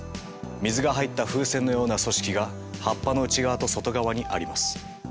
水が入った風船のような組織が葉っぱの内側と外側にあります。